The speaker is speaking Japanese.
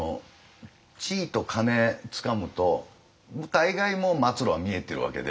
地位と金つかむと大概もう末路は見えてるわけで。